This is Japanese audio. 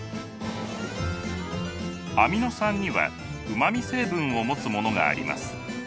アミノ酸にはうまみ成分を持つものがあります。